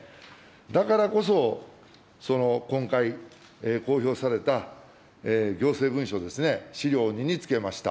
だからこそ、その今回、公表された行政文書ですね、資料２につけました。